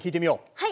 はい。